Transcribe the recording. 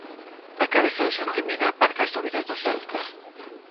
A cabeza de Santi Mina aparca as dúbidas do Celta.